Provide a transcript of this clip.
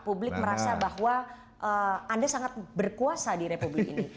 publik merasa bahwa anda sangat berkuasa di republik ini